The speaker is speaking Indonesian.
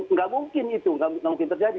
nggak mungkin itu mungkin terjadi